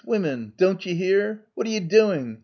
Women ! Don't ye hear ? What are you doing